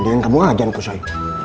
udah yang kamu ajanku soi